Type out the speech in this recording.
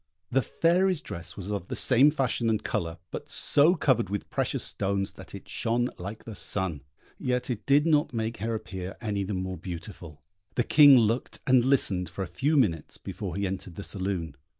The Fairy's dress was of the same fashion and colour, but so covered with precious stones that it shone like the sun; yet it did not make her appear any the more beautiful. The King looked and listened for a few minutes before he entered the saloon.